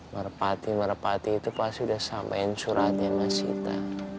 merepati merepati itu pasti udah sampein suratnya mas sita